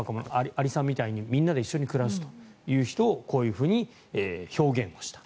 アリさんみたいにみんなで一緒に暮らす人をこういうふうに表現した。